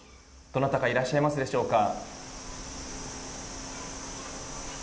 どなたかいらっしゃいますでしょうか。